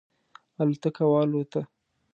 الوتکه والوته.